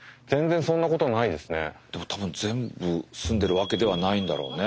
でも多分全部住んでるわけではないんだろうね。